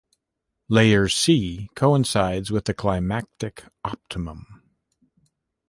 Layer C coincides with the climatic optimum.